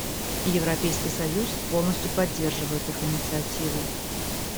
Европейский союз полностью поддерживает их инициативу.